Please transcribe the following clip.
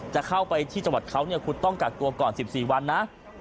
จะเข้าไปที่จังหวัดเขาเนี่ยคุณต้องกักตัวก่อน๑๔วันนะ